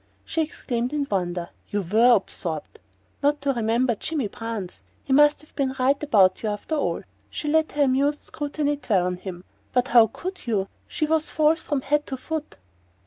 She exclaimed in wonder: "You WERE absorbed not to remember Jimmy Brance! He must have been right about you, after all." She let her amused scrutiny dwell on him. "But how could you? She was false from head to foot!"